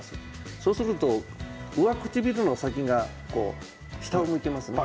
そうすると上唇の先が下を向いていますね。